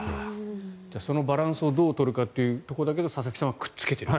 そのバランスをどう取るかというところで佐々木さんはくっつけている。